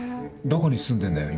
どこに住んでんだよ？